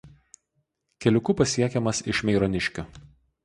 Keliuku pasiekiamas iš Meironiškių.